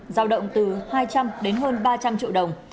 giao động từ hai trăm linh đến hơn ba trăm linh triệu đồng